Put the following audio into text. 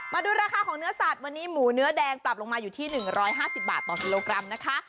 มาดูราคาของเนื้อสัตว์วันนี้หมูเนื้อแดงปรับลงมาอยู่ที่๑๕๐บาทต่อกิโลกรัมนะคะ